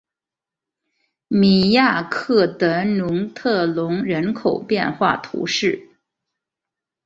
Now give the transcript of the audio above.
米亚克德农特龙人口变化图示